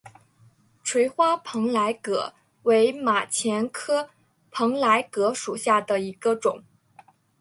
垂花蓬莱葛为马钱科蓬莱葛属下的一个种。